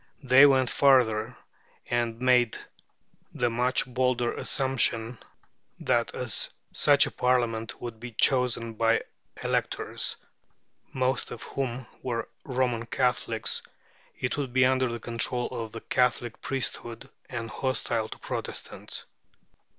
They went farther, and made the much bolder assumption that as such a Parliament would be chosen by electors, most of whom were Roman Catholics, it would be under the control of the Catholic priesthood, and hostile to Protestants.